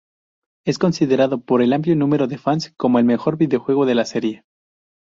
Es considerado por amplio número de fans como el mejor videojuego de la serie.